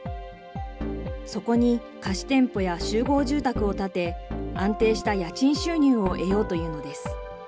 そこに貸店舗や集合住宅を建て、安定した家賃収入を得ようというのです。